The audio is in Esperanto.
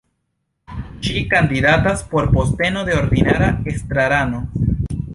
Ŝi kandidatas por posteno de ordinara estrarano.